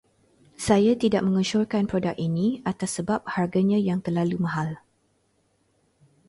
Saya tidak mengesyorkan produk ini atas sebab harganya yang terlalu mahal.